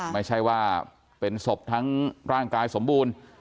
ไม่ใช่ว่าเป็นศพทั้งร่างกายสมบูรณ์